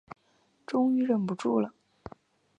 终于忍不住了